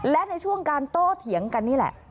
และในช่วงการโต้เถียงกันนี่แหละ